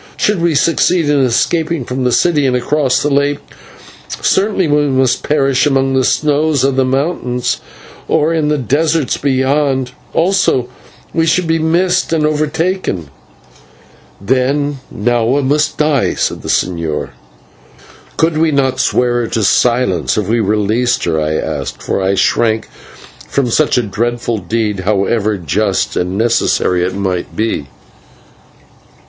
Should we succeed in escaping from the city and across the lake, certainly we must perish among the snows of the mountains or in the deserts beyond. Also, we should be missed and overtaken." "Then Nahua must die," said the señor. "Could we not swear her to silence if we released her?" I asked, for I shrank from such a dreadful deed, however just and necessary it might be.